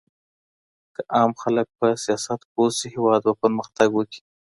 که عام خلګ په سياست پوه سي هيواد به پرمختګ وکړي.